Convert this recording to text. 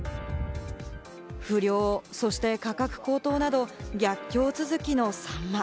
不漁、そして価格高騰など逆境続きのサンマ。